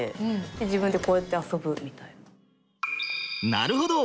なるほど！